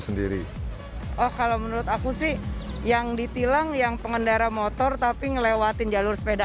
sendiri oh kalau menurut aku sih yang ditilang yang pengendara motor tapi ngelewatin jalur sepeda